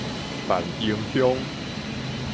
萬榮鄉